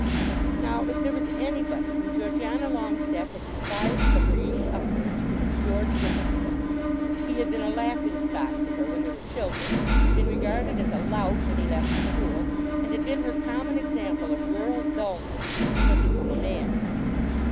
Now, if there was anybody whom Georgiana Longestaffe had despised from her youth upwards it was George Whitstable. He had been a laughing stock to her when they were children, had been regarded as a lout when he left school, and had been her common example of rural dullness since he had become a man.